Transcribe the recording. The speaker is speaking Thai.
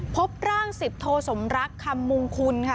พบร่าง๑๐โทสมรักคำมงคุณค่ะ